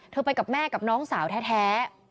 ไปกับแม่กับน้องสาวแท้